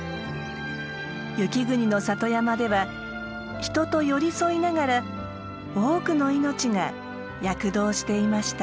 雪国の里山では人と寄り添いながら多くの命が躍動していました。